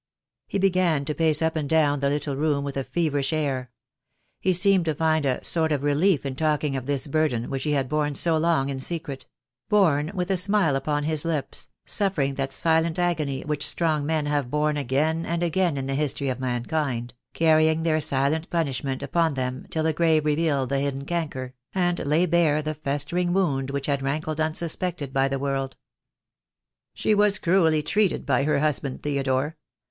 He began to pace up and down the little room with a feverish air. He seemed to find a sort of relief in talking of this burden which he had borne so long in secret — borne with a smile upon his lips, suffering that silent agony which strong men have borne again and again in the history of mankind, carrying their silent punishment upon them till the grave revealed the hidden canker, and laid bare the festering wound which had rankled unsuspected by the world. "She was cruelly treated by her husband, Theodore.